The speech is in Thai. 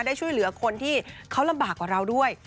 ได้ช่วยเหลือคนที่เขาลำบากกว่าเราด้วย